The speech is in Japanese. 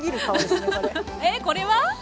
えこれは？